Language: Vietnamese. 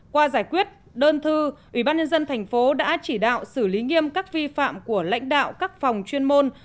qua giải quyết đơn thư ủy ban nhân dân thành phố đã chỉ đạo xử lý nghiêm các vi phạm của lãnh đạo các phòng chuyên môn